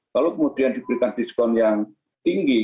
kalau kemudian diberikan diskon yang tinggi